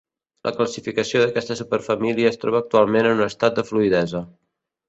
La classificació d'aquesta superfamília es troba actualment en un estat de fluïdesa.